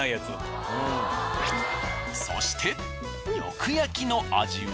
そしてよく焼きの味は？